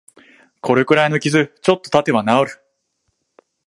これくらいの傷、ちょっとたてば治る